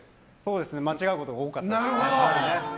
間違うことが多かったです。